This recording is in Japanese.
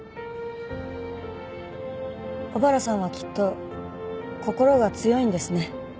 小原さんはきっと心が強いんですね。